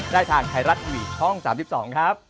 ได้ทางไทยรัฐทีวีช่อง๓๒ครับ